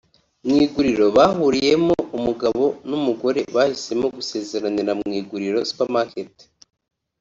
Mu iguriro bahuriyemo Umugabo n’umugore bahisemo gusezeranira mu iguriro (Supermarket)